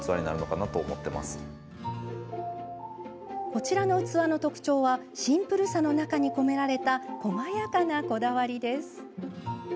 こちらの器の特徴はシンプルさの中に込められたこまやかな、こだわりです。